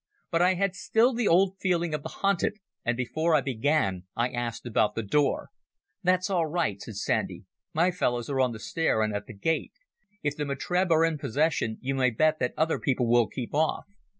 But I had still the old feeling of the hunted, and before I began I asked about the door. "That's all right," said Sandy. "My fellows are on the stair and at the gate. If the Metreb are in possession, you may bet that other people will keep off.